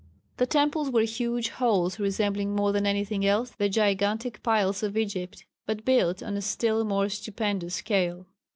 The temples were huge halls resembling more than anything else the gigantic piles of Egypt, but built on a still more stupendous scale.